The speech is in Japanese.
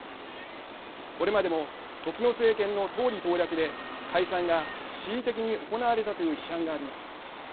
これまでも時の政権の党利党略で解散が恣意的に行われたという批判があります。